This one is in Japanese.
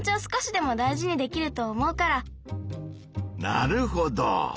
なるほど。